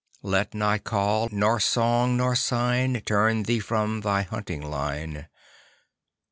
Let nor call nor song nor sign Turn thee from thy hunting line.